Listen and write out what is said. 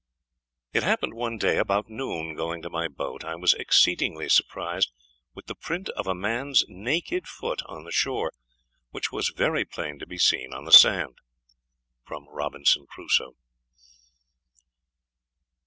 It happened one day about noon, going to my boat, I was exceedingly surprised with the print of a man's naked foot on the shore, which was very plain to be seen on the sand. Robinson Crusoe.